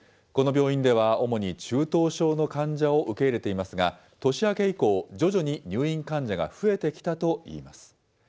この病院では、主に中等症の患者を受け入れていますが、年明け以降、徐々に入院患者が増えてきたといいます。